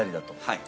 はい。